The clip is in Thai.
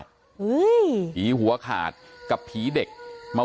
ฐานพระพุทธรูปทองคำ